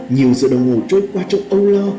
nhiều sự đồng ngủ trôi qua trong âu lo